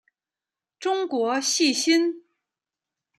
中国细辛